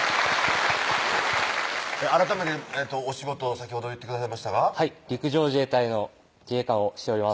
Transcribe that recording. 改めてお仕事先ほど言ってくださいましたがはい陸上自衛隊の自衛官をしております